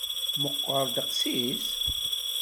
Meqqer ddeqs-is?